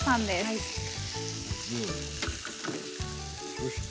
そして。